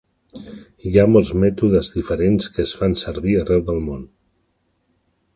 Hi ha molts de mètodes diferents que es fan servir arreu del món.